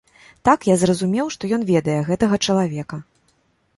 Так я зразумеў, што ён ведае гэтага чалавека.